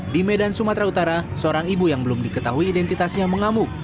di medan sumatera utara seorang ibu yang belum diketahui identitasnya mengamuk